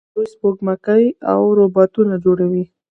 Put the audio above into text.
دوی سپوږمکۍ او روباټونه جوړوي.